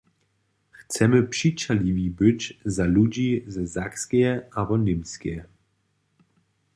Chcemy přićahliwi być za ludźi ze Sakskeje abo Němskeje.